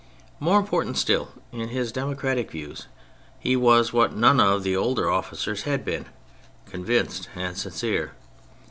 More important still, in his democratic views he was what none of the older officers had been, convinced and sincere.